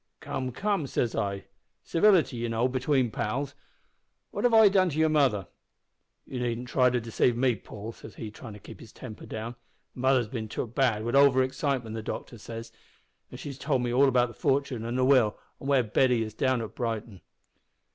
"`Come, come,' says I, `civility, you know, between pals. What have I done to your mother?' "`You needn't try to deceive me, Paul,' says he, tryin' to keep his temper down. `Mother's bin took bad, wi' over excitement, the doctor says, an' she's told me all about the fortin an' the will, an' where Betty is down at Brighton.'